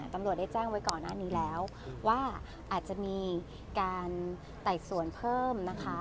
ตำรวจได้แจ้งไว้ก่อนหน้านี้แล้วว่าอาจจะมีการไต่สวนเพิ่มนะคะ